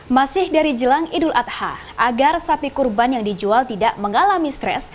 masih dari jelang idul adha agar sapi kurban yang dijual tidak mengalami stres